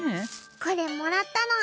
これもらったの。